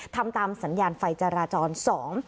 ทำตามสัญญาณไฟจราจรสอง